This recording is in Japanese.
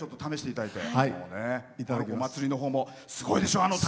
お祭りのほうもすごいでしょ？